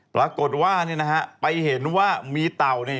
ปรากฏว่าไปเห็นว่ามีเต่าเนี่ย